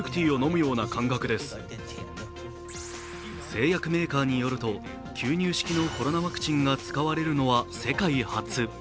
製薬メーカーによると吸入式のコロナワクチンが使われるのは世界初。